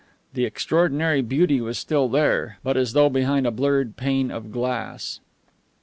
The extraordinary beauty was still there, but as though behind a blurred pane of glass.